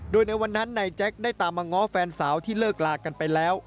โดยในวันนั้นนายแจ็คได้ตามมาง้อแฟนสาวที่เลิกลากันไปแล้ว